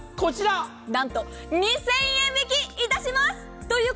何と２０００円引きいたします。